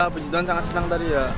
penjualan sangat senang tadi